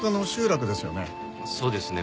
そうですね。